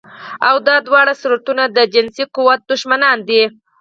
او دا دواړه صورتونه د جنسي قوت دښمنان دي